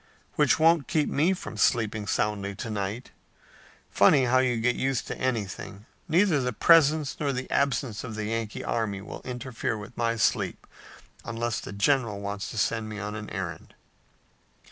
"Which won't keep me from sleeping soundly to night. Funny how you get used to anything. Neither the presence nor the absence of the Yankee army will interfere with my sleep unless the general wants to send me on an errand."